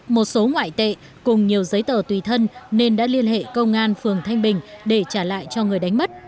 một số ngoại tệ cùng nhiều giấy tờ tùy thân nên đã liên hệ công an phường thanh bình để trả lại cho người đánh mất